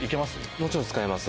もちろん使えます。